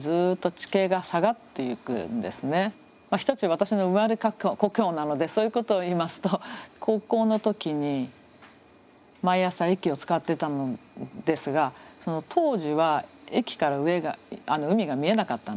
私の生まれ故郷なのでそういうことを言いますと高校の時に毎朝駅を使ってたのですが当時は駅から上が海が見えなかったんですね。